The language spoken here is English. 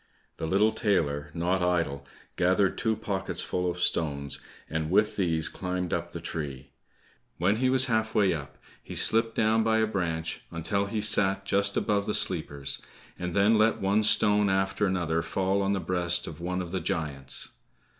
The little tailor, not idle, gathered two pocketsful of stones, and with these climbed up the tree. When he was half way up, he slipped down by a branch, until he sat just above the sleepers, and then let one stone after another fall on the breast of one of the giants.